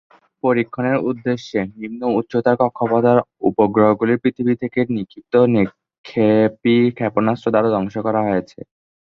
পরীক্ষণের উদ্দেশ্যে নিম্ন উচ্চতার কক্ষপথের উপগ্রহগুলি পৃথিবী থেকে নিক্ষিপ্ত নিক্ষেপী ক্ষেপণাস্ত্র দ্বারা ধ্বংস করা হয়েছে।